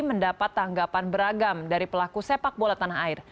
mendapat tanggapan beragam dari pelaku sepak bola tanah air